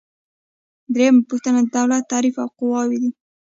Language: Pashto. دریمه پوښتنه د دولت تعریف او قواوې دي.